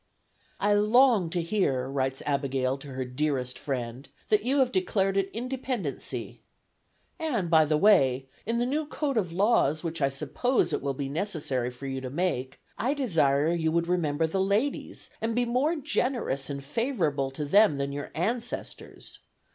"I long to hear," writes Abigail to her dearest friend, "that you have declared an independency. And, by the way, in the new code of laws which I suppose it will be necessary for you to make, I desire you would remember the ladies and be more generous and favorable to them than your ancestors.